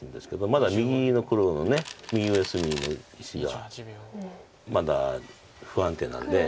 まだ右の黒の右上隅の石がまだ不安定なんで。